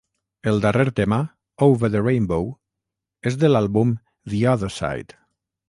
El darrer tema, "Over the Rainbow", és de l'àlbum "The Other Side".